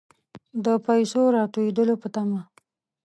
د پیسو راتوېدلو په طمع.